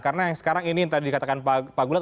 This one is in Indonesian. karena yang sekarang ini yang tadi dikatakan pak gula